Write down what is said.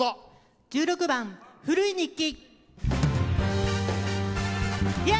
１６番「古い日記」。